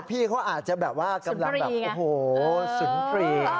พี่ก็อาจจะกำลังขึ้นกับสูนฟลี